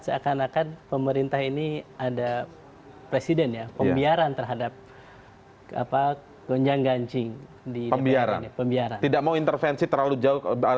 seakan akan pemerintah ini ada presiden ya pembiaran terhadap apa gonjang gancing di pembiaran pembiaran tidak mau intervensi terlalu jauh ke depan